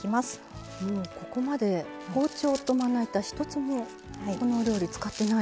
ここまで包丁とまな板一つもこのお料理使ってないですね。